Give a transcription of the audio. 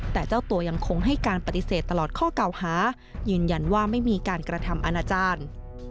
แต่เจ้าตัวยังคงให้การปฏิเสธตลอดข้อเก่าหายืนยันว่าไม่มีการกระทำอาณาจารย์